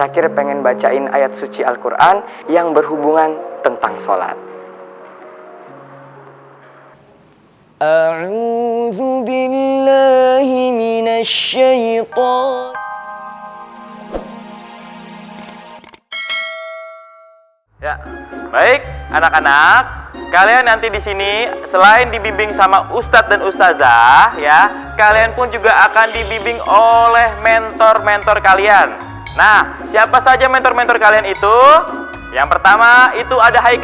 kepada para mentor kami persilakan untuk memberikan salam kepada yang lain